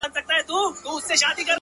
زه په دې افتادګۍ کي لوی ګَړنګ یم ـ